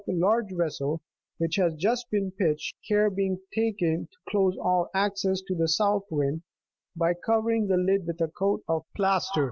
305 a large vessel which has just been pitched, care being taken to close all access to the south wind, by covering the lid with a coat of plaster.